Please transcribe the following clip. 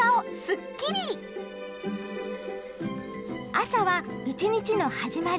朝は一日の始まり。